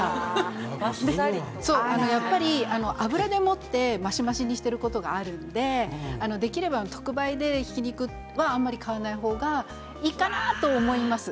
やっぱり脂でもってましましにしていることがあるのでできれば特売で、ひき肉はあまり買わない方がいいかなと思います。